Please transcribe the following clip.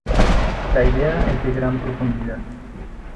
La idea es de gran profundidad.